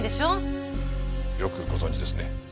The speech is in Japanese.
よくご存じですね。